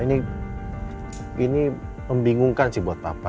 ini membingungkan sih buat papa